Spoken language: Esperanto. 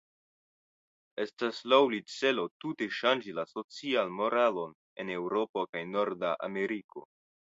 Estas laŭ li celo tute ŝanĝi la socialmoralon en Eŭropo kaj Norda Ameriko.